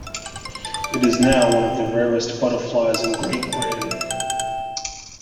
It is now one of the rarest butterflies in Great Britain.